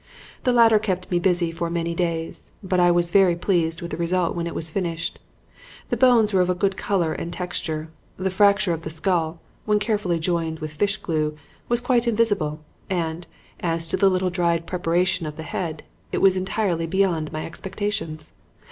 The latter kept me busy for many days, but I was very pleased with the result when it was finished. The bones were of a good color and texture, the fracture of the skull, when carefully joined with fish glue, was quite invisible, and, as to the little dried preparation of the head, it was entirely beyond my expectations.